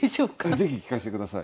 ぜひ聞かせて下さい。